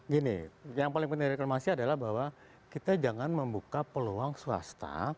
gini yang paling penting reklamasi adalah bahwa kita jangan membuka peluang swasta